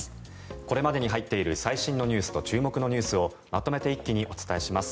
これまでに入っている最新ニュースと注目ニュースをまとめて一気にお伝えします。